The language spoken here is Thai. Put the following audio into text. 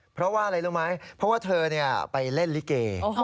เพราะว่าอะไรรู้ไหมเพราะว่าเธอไปเล่นลิเก